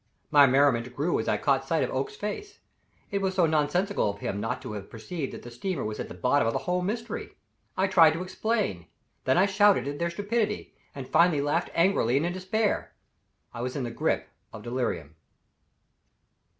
My merriment grew as I caught sight of Oakes's face; it was so nonsensical of him not to have perceived that the steamer was at the bottom of the whole mystery. I tried to explain, then I shouted at their stupidity, and finally laughed angrily and in despair. I was in the grip of delirium.